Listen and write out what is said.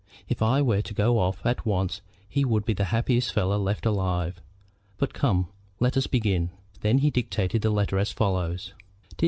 If I were to go off at once he would be the happiest fellow left alive. But come, let us begin." Then he dictated the letter as follows: "DEAR MR.